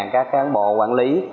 các cán bộ quản lý